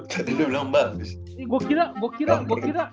tadi lu bilang bagus